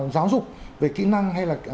giáo dục về kỹ năng hay là